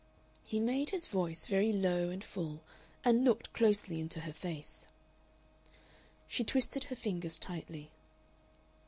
He made his voice very low and full, and looked closely into her face. She twisted her fingers tightly.